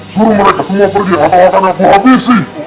suruh mereka semua pergi atau akan aku habisi